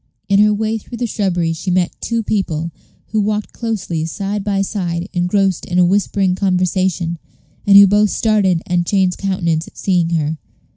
In her way through the shrubbery she met two people, who walked closely side by side, engrossed in a whispering conversation, and who both started and changed countenance at seeing her.